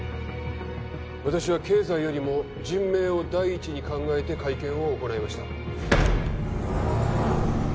私は経済よりも人命を第一に考えて会見を行いました